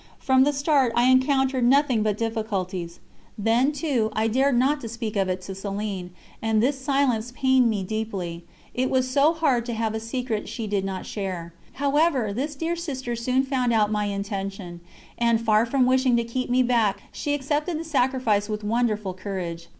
From the start I encountered nothing but difficulties. Then, too, I dared not speak of it to Céline, and this silence pained me deeply; it was so hard to have a secret she did not share. However, this dear sister soon found out my intention, and, far from wishing to keep me back, she accepted the sacrifice with wonderful courage.